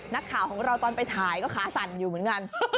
นักข่าวของเราตอนไปถ่ายก็ขาสั่นอยู่เหมือนกัน